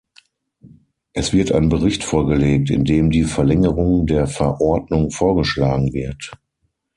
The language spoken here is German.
Es wird ein Bericht vorgelegt, in dem die Verlängerung der Verordnung vorgeschlagen wird.